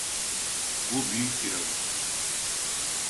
Bu büyük bir adım.